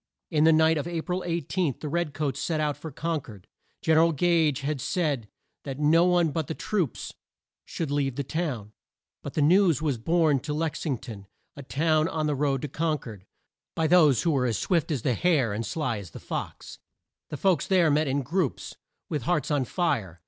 In the night of A pril 18, the red coats set out for Con cord. Gen er al Gage had said that no one but the troops should leave the town, but the news was borne to Lex ing ton a town on the road to Con cord by those who were as swift as the hare, and as sly as the fox. The folks there met in groups, with hearts on fire.